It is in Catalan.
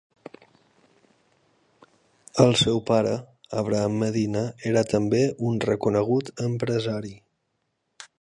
El seu pare, Abraham Medina era també un reconegut empresari.